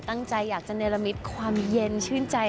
ตั้งใจอยากจะเนรมิตความเย็นชื่นใจ